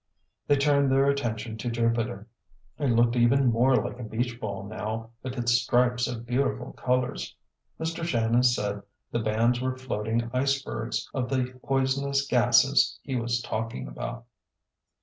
They turned their attention to Jupiter. It looked even more like a beach ball now with its stripes of beautiful colors. Mr. Shannon said the bands were floating ice bergs of the poisonous gases he was talking about.